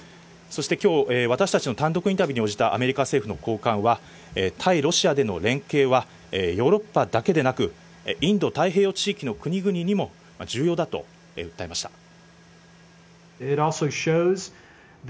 そして、きょう、私たちの単独インタビューに応じたアメリカ政府の高官は、対ロシアでの連携は、ヨーロッパだけでなく、インド太平洋地域の国々にも重要だと訴えました。